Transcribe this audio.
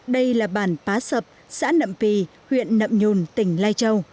đây là bản pá sập xã nậm pì huyện nậm nhùn tỉnh lai châu